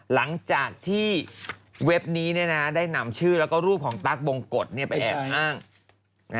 หลังจากที่เว็บนี้เนี้ยนะได้นำชื่อแล้วก็รูปของตั๊กบงกฎเนี้ยไปแอบอ้างใช่ใช่